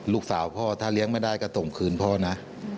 ลูกสาวพ่อถ้าเลี้ยงไม่ได้ก็ส่งคืนพ่อนะ